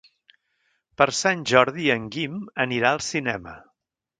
Per Sant Jordi en Guim anirà al cinema.